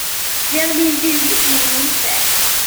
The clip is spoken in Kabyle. Ziɣ d ijdiden i d-yennulfan.